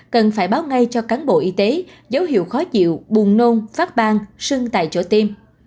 cần phải báo ngay cho cán bộ y tế dấu hiệu khó chịu buồn nôn phát bang sưng tại chỗ tiêm